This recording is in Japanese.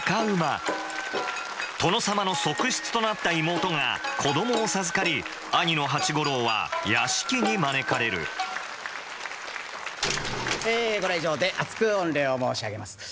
殿様の側室となった妹が子どもを授かり兄の八五郎は屋敷に招かれるええご来場で厚く御礼を申し上げます。